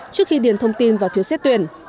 trước khi điền thông tin vào thiếu xét tuyển